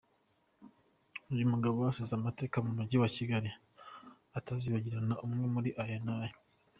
Uyu mugabo asize amateka mu mujyi wa Kigali atazibagirana amwe muri ayo ni aya: